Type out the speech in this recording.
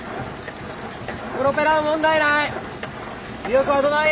プロペラも問題ない！